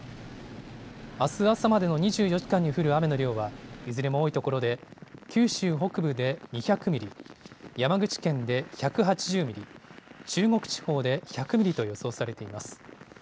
あす朝までの２４時間に降る雨の量は、いずれも多い所で、九州北部で２００ミリ、山口県で１８０ミリ、中国地方で１００ミリと予想されています。